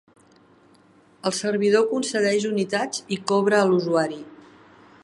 El servidor concedeix unitats i cobra a l'usuari.